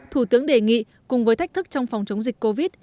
thủ tướng đề nghị cùng với thách thức trong phòng chống dịch covid